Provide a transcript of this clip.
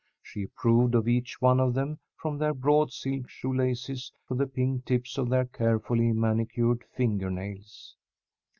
She approved of each one of them from their broad silk shoe laces to the pink tips of their carefully manicured finger nails.